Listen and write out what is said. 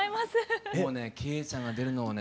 もうね惠ちゃんが出るのをね